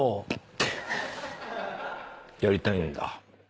やりたいんだ。